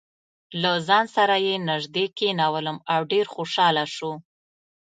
له ځان سره یې نژدې کېنولم او ډېر خوشاله شو.